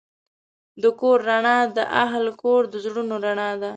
د کور رڼا د اهلِ کور د زړونو رڼا ده.